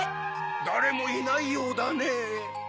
だれもいないようだねぇ。